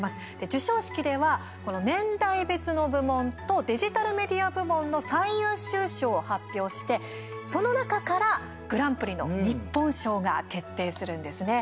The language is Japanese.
授賞式では、この年代別の部門とデジタルメディア部門の最優秀賞を発表してその中からグランプリの日本賞が決定するんですね。